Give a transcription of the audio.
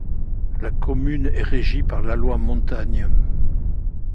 La commune est régie par la loi Montagne.